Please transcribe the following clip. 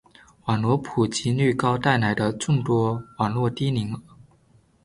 网络普及率高带来的众多网络低龄儿